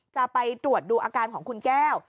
จะไปตรวจดูอาการของคุณแก้ว